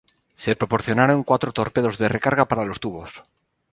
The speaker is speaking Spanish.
Se proporcionaron cuatro torpedos de recarga para los tubos.